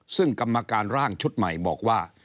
ซึ่งกรรมการร่างชุดใหม่บอกว่า